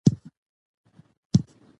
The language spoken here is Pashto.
خاوره د افغانستان د انرژۍ سکتور برخه ده.